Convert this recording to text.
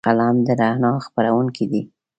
قلم د رڼا خپروونکی دی